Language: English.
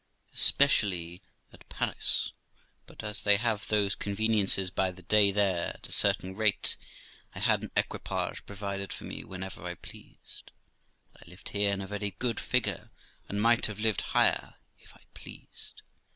especially at Paris, but as they have those conveniences by the day there, at a certain rate, I had an equipage provided for me whenever I pleased, and I lived here in a very good figure, and might have lived higher if I pleased.